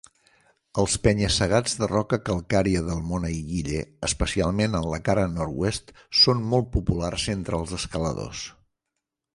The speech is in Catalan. Els penya-segats de roca calcària del Mont Aiguille, especialment en la cara nord-oest, són molt populars entre els escaladors.